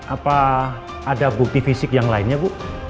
apa ada bukti fisik yang lainnya bu